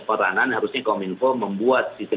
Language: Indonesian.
peranan harusnya kominfo membuat sistem